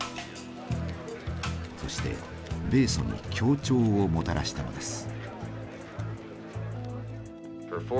そして米ソに協調をもたらしたのです。